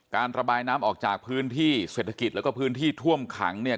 การระบายน้ำออกจากพื้นที่เศรษฐกิจแล้วก็พื้นที่ท่วมขังเนี่ย